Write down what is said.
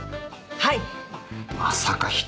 はい。